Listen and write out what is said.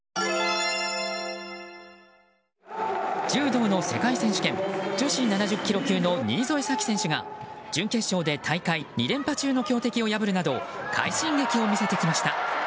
柔道の世界選手権女子７０ｋｇ級の新添左季選手が準決勝で大会２連覇中の強敵を破るなど快進撃を見せてきました。